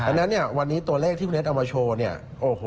เพราะฉะนั้นตัวเลขที่คุณเน็ตเอามาโชว์